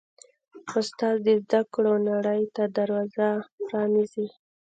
استاد د زده کړو نړۍ ته دروازه پرانیزي.